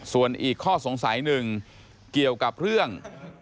ส่วนอีกข้อสงสัยหนึ่งเกี่ยวกับเรื่อง